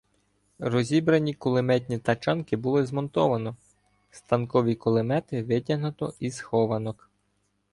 Розібрані кулеметні тачанки було змонтовано, станкові кулемети витягнуто зі схованок.